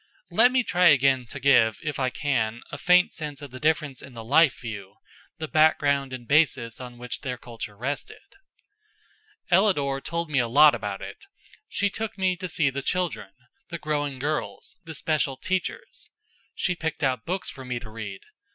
Let me try again to give, if I can, a faint sense of the difference in the life view the background and basis on which their culture rested. Ellador told me a lot about it. She took me to see the children, the growing girls, the special teachers. She picked out books for me to read.